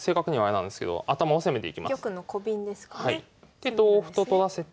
で同歩と取らせて。